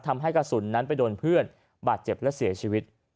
ทำให้กระสุนนั้นไปโดนเพื่อนบาดเจ็บและเสียชีวิต